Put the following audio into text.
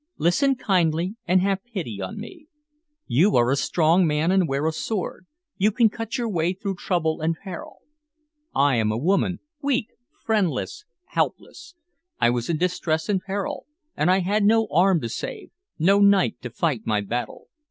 "Listen kindly, and have pity on me. You are a strong man and wear a sword. You can cut your way through trouble and peril. I am a woman, weak, friendless, helpless. I was in distress and peril, and I had no arm to save, no knight to fight my battle.